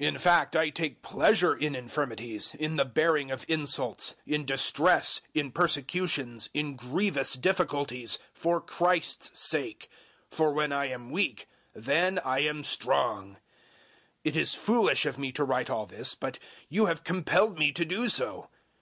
012:010 In fact I take pleasure in infirmities, in the bearing of insults, in distress, in persecutions, in grievous difficulties for Christ's sake; for when I am weak, then I am strong. 012:011 It is foolish of me to write all this, but you have compelled me to do so.